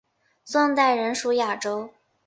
宋代仍属雅州。